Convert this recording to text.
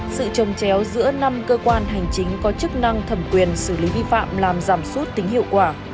sự trồng chéo giữa năm cơ quan hành chính có chức năng thẩm quyền xử lý vi phạm làm giảm sút tính hiệu quả